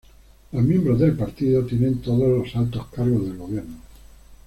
Los miembros del partido tienen todos los altos cargos del gobierno.